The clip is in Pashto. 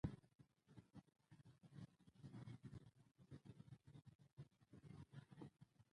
ګل د نرمۍ لمس دی.